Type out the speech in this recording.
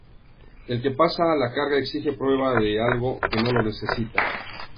El que pasa la carga exige prueba de algo que no la necesita.